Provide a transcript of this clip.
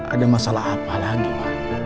ada masalah apa lagi pak